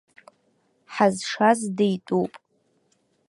Ҳазшаз дитәуп.